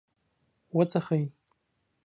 .وڅښئ